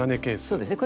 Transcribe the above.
そうですね